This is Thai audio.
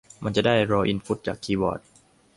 มันจะได้รออินพุตจากคีย์บอร์ด